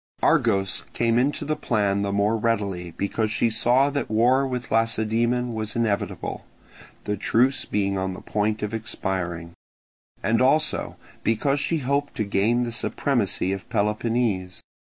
Argos came into the plan the more readily because she saw that war with Lacedaemon was inevitable, the truce being on the point of expiring; and also because she hoped to gain the supremacy of Peloponnese.